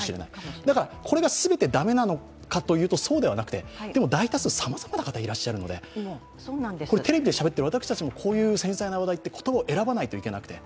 だからこれが全て駄目なのかというと、そうではなくて大多数さまざまな方がいらっしゃるのでテレビでしゃべっている私たちも、こういう繊細な話題は言葉を選ばなくちゃいけなくて。